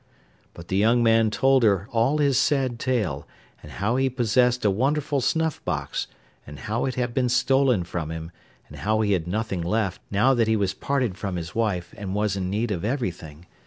But the young man told her all his sad tale, and how he possessed a wonderful snuff box, and how it had been stolen from him, and how he had nothing left, now that he was parted from his wife and was in need of everything.